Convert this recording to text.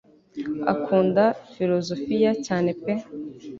akunda filozofiya cyane pe